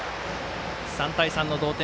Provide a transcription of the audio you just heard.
３対３の同点。